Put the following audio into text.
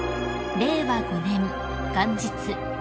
［令和５年元日］